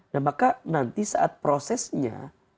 nah maka nanti saat prosesnya